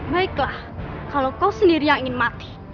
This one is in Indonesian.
baiklah kalau kau sendiri yang ingin mati